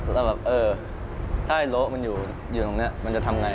แล้วแบบเออถ้าไอ้โต๊ะมันอยู่ตรงนี้มันจะทำไง